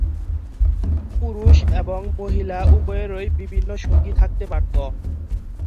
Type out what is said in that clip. পুরুষ এবং মহিলা উভয়েরই বিভিন্ন সঙ্গী থাকতে পারত।